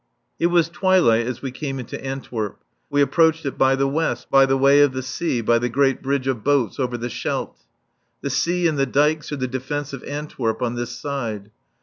It was twilight as we came into Antwerp. We approached it by the west, by the way of the sea, by the great bridge of boats over the Scheldt. The sea and the dykes are the defence of Antwerp on this side.